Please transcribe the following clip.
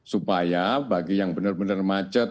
supaya bagi yang benar benar macet